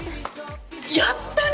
やったね！